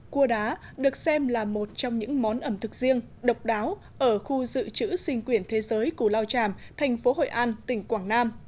cua đá được xem là một trong những món ẩm thực riêng độc đáo ở khu dự trữ sinh quyển thế giới cù lao tràm thành phố hội an tỉnh quảng nam